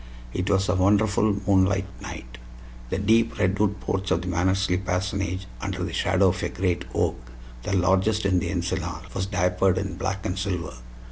It was a wonderful moonlight night. The deep redwood porch of the Mannersley parsonage, under the shadow of a great oak the largest in the Encinal was diapered in black and silver.